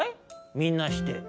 みんなして。